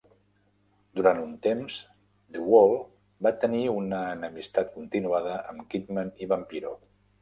Durant un temps, The Wall va tenir una enemistat continuada amb Kidman i Vampiro.